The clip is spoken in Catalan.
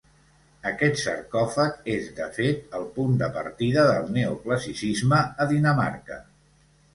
Aquest sarcòfag és, de fet, el punt de partida del neoclassicisme a Dinamarca.